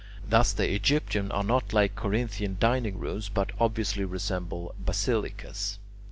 Thus the Egyptian are not like Corinthian dining rooms, but obviously resemble basilicas.